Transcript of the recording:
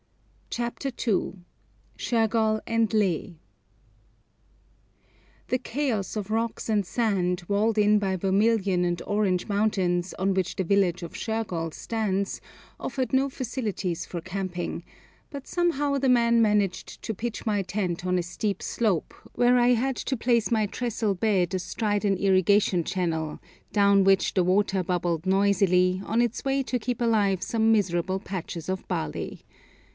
CHAPTER II SHERGOL AND LEH The chaos of rocks and sand, walled in by vermilion and orange mountains, on which the village of Shergol stands, offered no facilities for camping; but somehow the men managed to pitch my tent on a steep slope, where I had to place my trestle bed astride an irrigation channel, down which the water bubbled noisily, on its way to keep alive some miserable patches of barley.